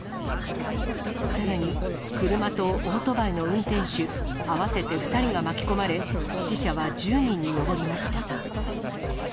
さらに、車とオートバイの運転手合わせて２人が巻き込まれ、死者は１０人に上りました。